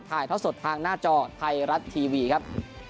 ถ่ายท่อสดทางหน้าจอไทยรัฐทีวีครับ